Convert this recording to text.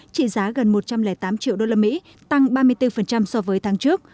trị giá gần một trăm linh tám triệu usd tăng ba mươi bốn so với tháng trước